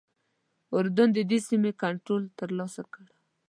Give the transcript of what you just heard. اردن ددې سیمې کنټرول ترلاسه کړ.